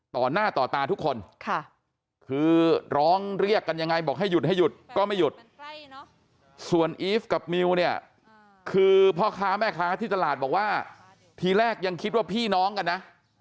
ต่อหน้าต่อตาทุกคนคือร้องเรียกกันยังไงบอกให้หยุดให้หยุดก็ไม่หยุดส่วนอีฟกับมิวเนี่ยคือพ่อค้าแม่ค้าที่ตลาดบอกว่าทีแรกยังคิดว่าพี่น้องกันนะ